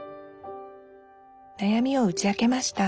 なやみを打ち明けました